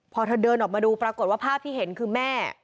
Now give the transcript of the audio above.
พอเธอเดินออกมาดูปรากฏว่าภาพที่เห็นคือแม่